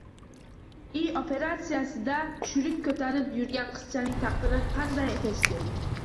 “I operatsiyasi”da Shurik ko‘tarib yurgan qizchaning taqdiri qanday kechdi?